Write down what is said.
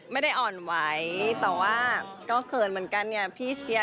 ไม่ว่าอย่นะคะแต่ว่าก็เคยร์เหมือนกันน่ะเนี่ย